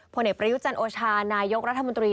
ผลเอกประยุจันโอชานายกรัฐมนตรี